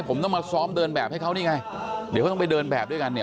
ผมต้องมาซ้อมเดินแบบให้เขานี่ไงเดี๋ยวเขาต้องไปเดินแบบด้วยกันเนี่ย